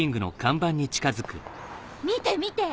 見て見て！